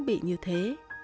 bị như thế